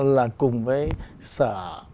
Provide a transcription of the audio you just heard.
là cùng với sở